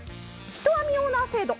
ひと網オーナー制度。